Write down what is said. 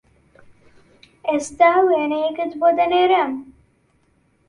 ئێستا وێنەیەکت بۆ دەنێرم